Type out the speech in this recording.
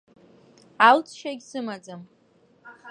Алҵшьагь сымаӡам.